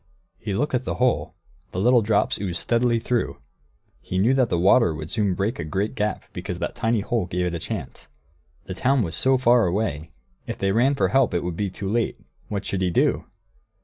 He looked at the hole; the little drops oozed steadily through; he knew that the water would soon break a great gap, because that tiny hole gave it a chance. The town was so far away if they ran for help it would be too late; what should he do?